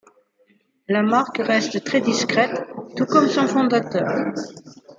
La marque reste très discrète tout comme son fondateur.